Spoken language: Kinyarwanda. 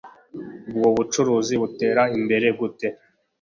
Ubwo bucuruzi butera imbere gute